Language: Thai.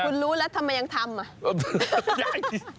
โอ้คุณรู้แล้วทำไมยังทำ